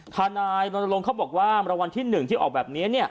ทนายรณรงค์เขาบอกว่ารางวัลที่๑ที่ออกแบบนี้